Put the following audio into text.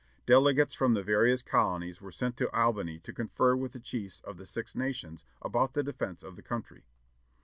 Delegates from the various colonies were sent to Albany to confer with the chiefs of the Six Nations about the defence of the country.